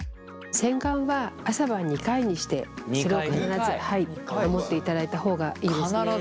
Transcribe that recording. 洗顔は朝晩２回にしてそれを必ず守っていただいた方がいいですね。